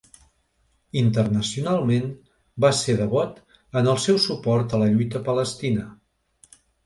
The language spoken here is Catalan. Internacionalment, va ser devot en el seu suport a la lluita palestina.